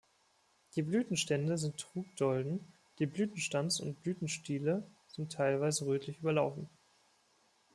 Die Blütenstände sind Trugdolden, die Blütenstands- und Blütenstiele sind teilweise rötlich überlaufen.